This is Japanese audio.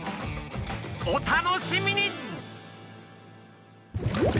お楽しみに！